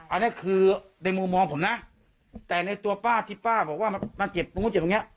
อันนี้คือในมุมมองผมนะแต่ในตัวป้าที่ป้าบอกว่ามันเจ็บมันก็เจ็บตรงเนี้ย